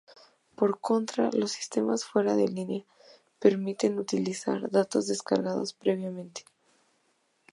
Por contra, los sistemas fuera de línea permiten utilizar datos descargados previamente.